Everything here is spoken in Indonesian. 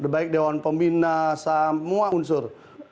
baik dewan pembina semua unsur